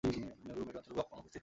মরু ও মেরু অঞ্চলে বক অনুপস্থিত।